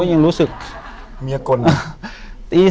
กุมารพายคือเหมือนกับว่าเขาจะมีอิทธิฤทธิ์ที่เยอะกว่ากุมารทองธรรมดา